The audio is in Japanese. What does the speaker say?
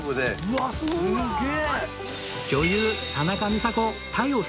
うわっすげえ！